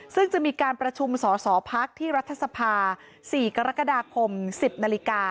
ซึ่งจะมีการประชุมสอสอพักที่รัฐสภา๔กรกฎาคม๑๐นาฬิกา